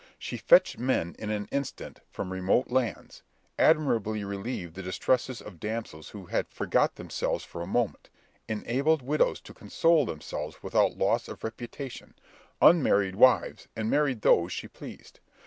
She fetched men in an instant from remote lands; admirably relieved the distresses of damsels who had forgot themselves for a moment; enabled widows to console themselves without loss of reputation; unmarried wives, and married those she pleased.